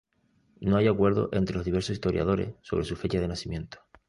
No hay acuerdo entre los diversos historiadores sobre su fecha de nacimiento.